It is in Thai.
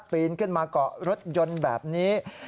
ปีนขึ้นมาเกาะรถยนต์แบบนี้